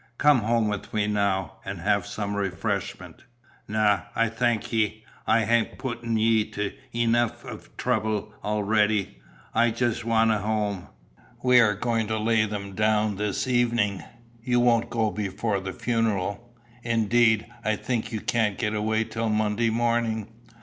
"Come home with me now, and have some refreshment." "Na, I thank ye. I hae putten ye to eneuch o' tribble already. I'll jist awa' hame." "We are going to lay them down this evening. You won't go before the funeral. Indeed, I think you can't get away till Monday morning.